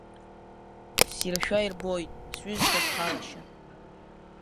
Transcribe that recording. Сиршәа ирбоит сҩызцәа схалашьа…